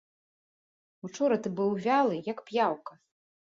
Учора ты быў вялы, як п'яўка.